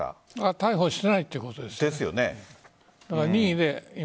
逮捕していないということですよね。